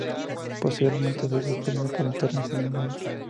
Posteriormente, se hizo disponible por Internet ese mismo año.